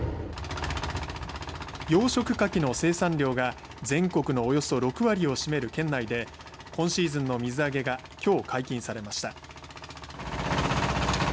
養殖かきの生産量が全国のおよそ６割を占める県内で今シーズンの水揚げがきょう解禁されました。